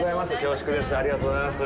ありがとうございます。